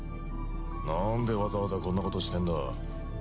なんでわざわざこんなことしてんだ？